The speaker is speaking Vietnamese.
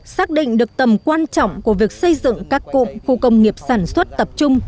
xác định được tầm quan trọng của việc xây dựng các cụm khu công nghiệp sản xuất tập trung